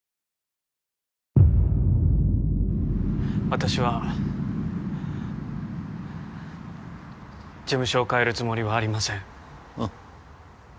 私は事務所をかえるつもりはありませんうん